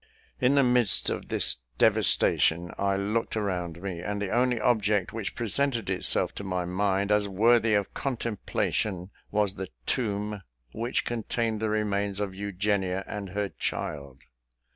In the midst of this devastation, I looked around me, and the only object which presented itself to my mind, as worthy of contemplation, was the tomb which contained the remains of Eugenia and her child.